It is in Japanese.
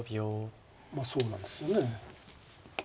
まあそうなんですよね。